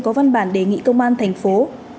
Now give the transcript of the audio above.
có văn bản đề nghị công an thành phố